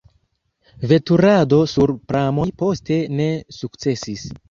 Veturado sur pramoj poste ne sukcesis.